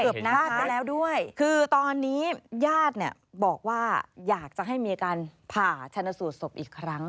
พลาดไปแล้วด้วยคือตอนนี้ญาติเนี่ยบอกว่าอยากจะให้มีอาการผ่าชนสูตรศพอีกครั้ง